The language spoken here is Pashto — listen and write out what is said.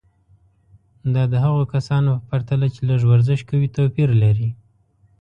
دا د هغو کسانو په پرتله چې لږ ورزش کوي توپیر لري.